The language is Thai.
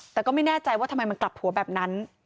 แต่ก็ไม่แน่ใจว่าทำไมมันกลับหัวแบบนั้น